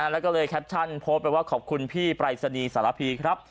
แล้วก็เลยแคปชั่นโพสต์ไปว่าขอบคุณพี่ปรายศนีย์สารพีครับ